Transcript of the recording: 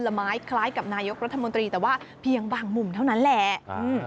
ละไม้คล้ายกับนายกรัฐมนตรีแต่ว่าเพียงบางมุมเท่านั้นแหละอืม